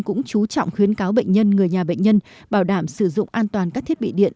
cũng chú trọng khuyến cáo bệnh nhân người nhà bệnh nhân bảo đảm sử dụng an toàn các thiết bị điện